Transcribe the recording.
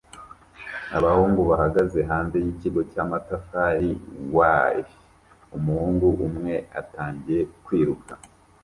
Abahungu bahagaze hanze yikigo cyamatafari whie umuhungu umwe atangiye kwiruka